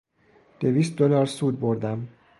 دویست دلار سود بردم.